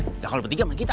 nah kalau bertiga mah kita